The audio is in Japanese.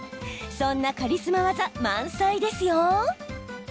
そんなカリスマ技、満載ですよ。